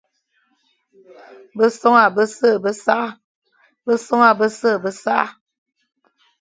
Besoña bese be nsakh,